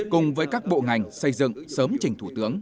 cùng với các bộ ngành xây dựng sớm trình thủ tướng